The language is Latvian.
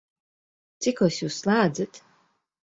Cikos Jūs slēdzat?